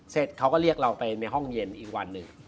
เสร็จเขาก็เรียกเราไปในห้องเย็นอีกวันหนึ่ง